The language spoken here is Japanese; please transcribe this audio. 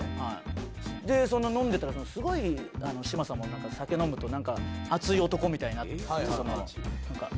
で飲んでたらすごい嶋佐も酒飲むと熱い男みたいになって。